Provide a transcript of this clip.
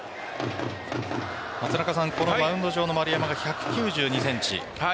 このマウンド上の丸山が１９２ｃｍ。